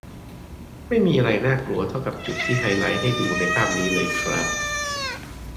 ไม่มีอะไรน่ากลัวเท่ากับจุดที่ไฮไลท์ให้ดูในภาพนี้เลยครับ